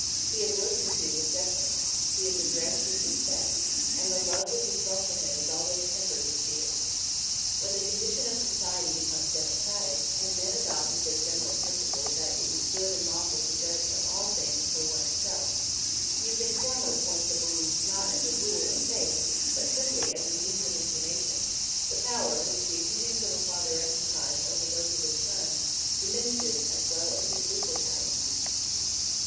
He is listened to with deference, he is addressed with respect, and the love which is felt for him is always tempered with fear. When the condition of society becomes democratic, and men adopt as their general principle that it is good and lawful to judge of all things for one's self, using former points of belief not as a rule of faith but simply as a means of information, the power which the opinions of a father exercise over those of his sons diminishes as well as his legal power.